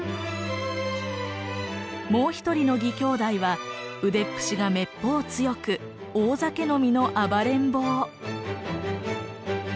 もう一人の義兄弟は腕っぷしがめっぽう強く大酒飲みの暴れん坊。